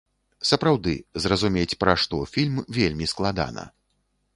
Сапраўды, зразумець пра што фільм, вельмі складана.